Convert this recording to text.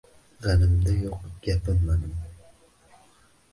G’animda yo’q gapim manim.